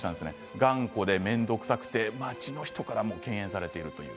頑固で面倒くさくて町の人から敬遠されている。